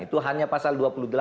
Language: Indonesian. itu hanya pasal dua puluh delapan